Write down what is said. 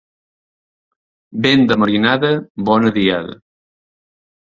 Vent de marinada, bona diada.